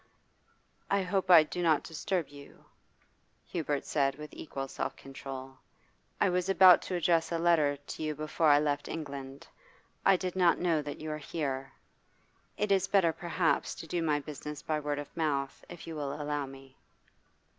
'I hope I do not disturb you,' Hubert said with equal self control. 'I was about to address a letter to you before I left England. I did not know that you were here. It is better, perhaps, to do my business by word of mouth, if you will allow me.